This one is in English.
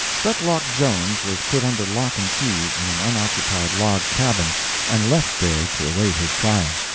Fetlock Jones was put under lock and key in an unoccupied log cabin, and left there to await his trial.